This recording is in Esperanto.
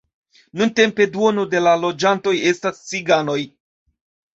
Nuntempe duono de la loĝantoj estas ciganoj.